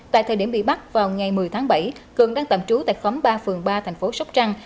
tại thời điểm bị bắt vào ngày một mươi tháng bảy cường đang tạm trú tại khóm ba phường ba thành phố sóc trăng